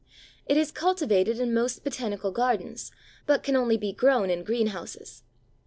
It is cultivated in most botanical gardens, but can only be grown in greenhouses.